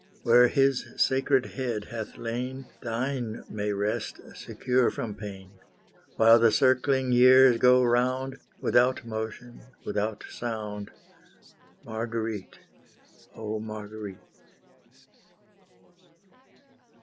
Where His sacred head hath lain, Thine may rest, secure from pain. While the circling years go round, Without motion, without sound, Marguerite, oh Marguerite!